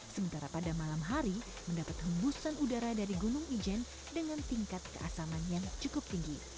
sementara pada malam hari mendapat hembusan udara dari gunung ijen dengan tingkat keasaman yang cukup tinggi